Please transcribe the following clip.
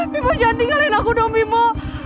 memo jangan tinggalin aku dong memo